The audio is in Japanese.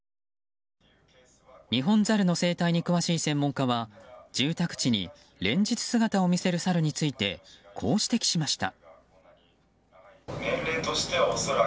ニホンザルの生態に詳しい専門家は、住宅地に連日、姿を見せるサルについてこう指摘しました。